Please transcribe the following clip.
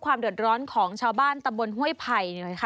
ความเดือดร้อนของชาวบ้านตำบลห้วยไภร์